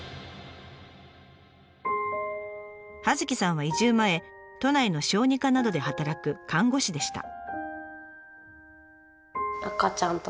葉月さんは移住前都内の小児科などで働く看護師でした。